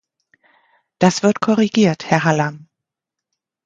Das wird korrigiert, Herr Hallam.